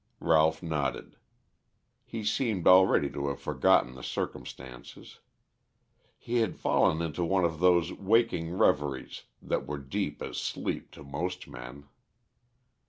Ralph nodded. He seemed already to have forgotten the circumstances. He had fallen into one of those waking reveries that were deep as sleep to most men.